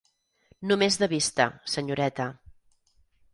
Només de vista, senyoreta.